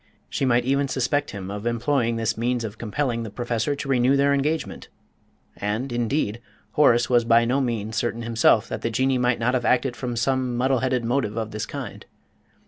She might even suspect him of employing this means of compelling the Professor to renew their engagement; and, indeed, Horace was by no means certain himself that the Jinnee might not have acted from some muddle headed motive of this kind.